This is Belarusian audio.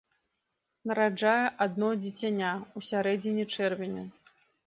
Нараджае адно дзіцяня ў сярэдзіне чэрвеня.